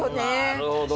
なるほど。